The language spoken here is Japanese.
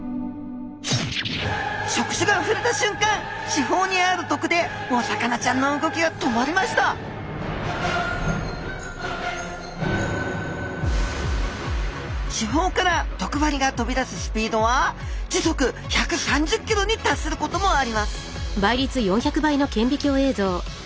触手がふれたしゅんかん刺胞にある毒でお魚ちゃんの動きが止まりました刺胞から毒針が飛び出すスピードは時速１３０ｋｍに達することもあります